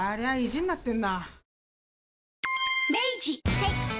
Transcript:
はい。